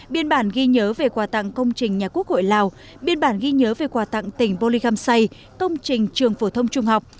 biên bản ghi nhớ về quà tặng công trình nhà quốc hội lào biên bản ghi nhớ về quà tặng tỉnh bô lê găm say công trình trường phổ thông trung học